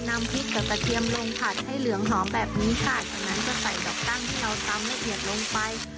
นำพริกกับกระเทียมลงผัดให้เหลืองหอมแบบนี้ค่ะจากนั้นก็ใส่ดอกตั้งที่เราตำละเอียดลงไป